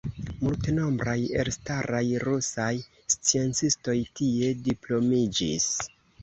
Multenombraj elstaraj rusaj sciencistoj tie diplomiĝis.